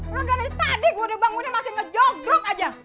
lu dari tadi gue udah bangunnya masih ngejodrok aja